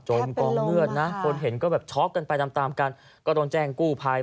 กองเลือดนะคนเห็นก็แบบช็อกกันไปตามตามกันก็ต้องแจ้งกู้ภัย